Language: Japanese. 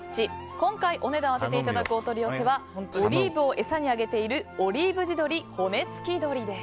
今回お値段を当てていただくお取り寄せはオリーブを餌にあげているオリーブ地鶏骨付鶏です。